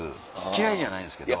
嫌いじゃないんですけど。